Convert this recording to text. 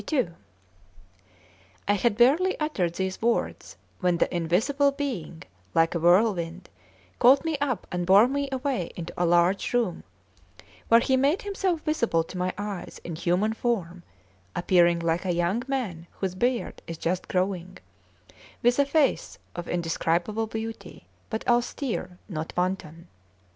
CXXII I HAD barely uttered these words, when that invisible being, like a whirlwind, caught me up and bore me away into a large room, where he made himself visible to my eyes in human form, appearing like a young man whose beard is just growing, with a face of indescribable beauty, but austere, not wanton.